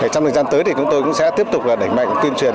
trong thời gian tới thì chúng tôi cũng sẽ tiếp tục đẩy mạnh tuyên truyền